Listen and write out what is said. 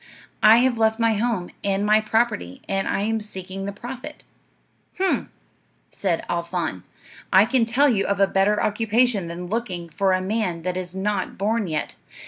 "'I have left my home, and my property, and I am seeking the prophet. "'H'm!' said Al Faan; 'I can tell you of a better occupation than looking for a man that is not born yet.